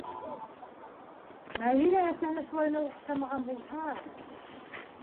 Мәҙинә әсәһенә шулай ныҡ оҡшамаған булһа...